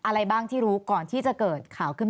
แต่ได้ยินจากคนอื่นแต่ได้ยินจากคนอื่น